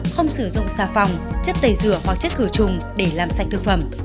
không sử dụng xà phòng chất tẩy rửa hoặc chất khử trùng để làm sạch thực phẩm